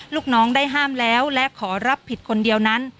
ลูกน้องได้ห้ามแล้วและขอรับผิดคนเดียวนั้น